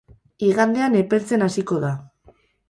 Igandean epeltzen hasiko da.